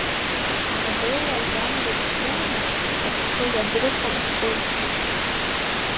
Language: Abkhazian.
Ановелла ажанр ибзианы рхы иадырхәон ашәҟәыҩҩцәа…